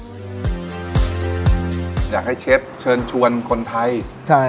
อยากให้เชฟเชิญชวนคนไทยใช่